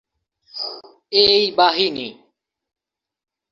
এই বাহিনী।